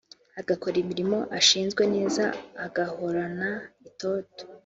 agakora imirimo ashinzwe neza agahorana itoto